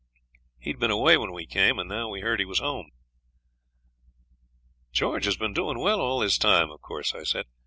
He'd been away when we came, and now we heard he was home. 'George has been doing well all this time, of course,' I said.